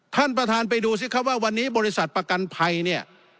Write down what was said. ท่านประธานไปดูสิครับว่าวันนี้บริษัทประกันภัยเนี่ย